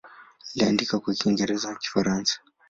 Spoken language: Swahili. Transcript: Aliandika kwa Kiingereza na Kifaransa.